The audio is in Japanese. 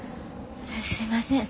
すいません